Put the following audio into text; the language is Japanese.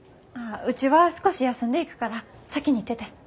うちは少し休んでいくから先に行ってて。